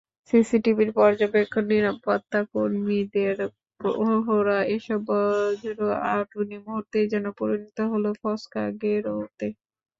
সিসিটিভির পর্যবেক্ষণ, নিরাপত্তাকর্মীদের প্রহরা—এসব বজ্র আঁটুনি মুহূর্তেই যেন পরিণত হলো ফসকা গেরোতে।